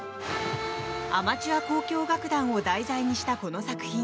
アマチュア交響楽団を題材にしたこの作品。